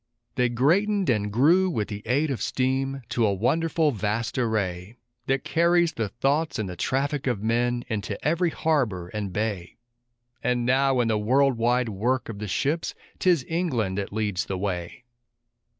They greatened and grew, with the aid of steam, to a wonderful, vast array, That carries the thoughts and the traffic of men into every harbor and bay; And now in the world wide work of the ships 'tis England that leads the way.